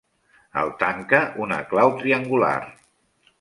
El tanca una clau triangular.